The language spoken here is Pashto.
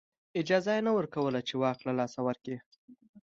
اجازه یې نه ورکوله چې واک له لاسه ورکړي.